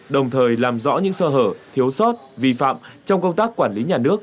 đồng thời làm rõ những sơ hở thiếu sót vi phạm trong công tác quản lý nhà nước